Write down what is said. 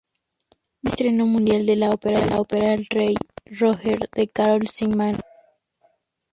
Dirigió el estreno mundial de la ópera "El rey Roger" de Karol Szymanowski.